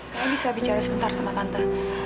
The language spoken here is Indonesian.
saya bisa bicara sebentar sama kanta